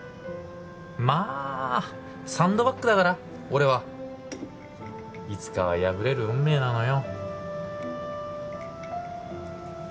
まあサンドバッグだから俺はいつかは破れる運命なのよ